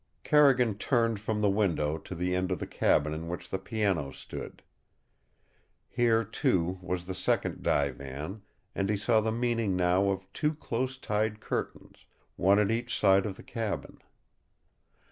Carrigan turned from the window to the end of the cabin in which the piano stood. Here, too, was the second divan, and he saw the meaning now of two close tied curtains, one at each side of the cabin.